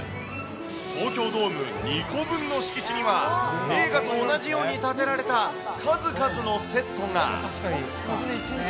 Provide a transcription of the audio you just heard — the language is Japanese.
東京ドーム２個分の敷地には、映画と同じように建てられた数々のセットが。